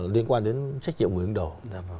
liên quan đến trách nhiệm người ứng đầu